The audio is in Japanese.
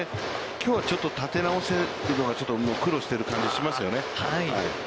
きょう、ちょっと立て直すのに苦労している感じしますよね。